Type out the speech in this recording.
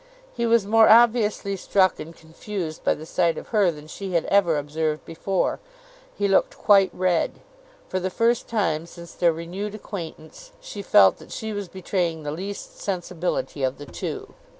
He was more obviously struck and confused by the sight of her than she had ever observed before; he looked quite red. For the first time, since their renewed acquaintance, she felt that she was betraying the least sensibility of the two.